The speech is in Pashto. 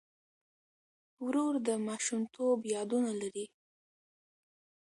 ورور د ماشومتوب یادونه لري.